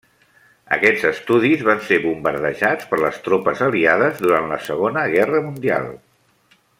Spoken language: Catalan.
Aquests estudis van ser bombardejats per les tropes aliades durant la Segona Guerra Mundial.